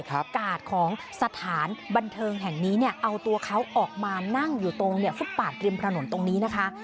กาดของสถานบันเทิงแห่งนี้เนี่ยเอาตัวเขาออกมานั่งอยู่ตรงฟุตปาดริมถนนตรงนี้นะคะ